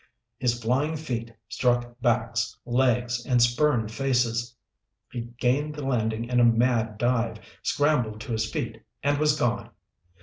His flying feet struck backs, legs, and spurned faces. He gained the landing in a mad dive, scrambled to his feet, and was gone.